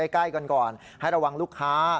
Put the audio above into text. ใกล้กันก่อนให้ระวังลูกค้า